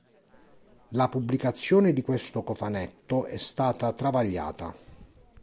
La pubblicazione di questo cofanetto è stata travagliata.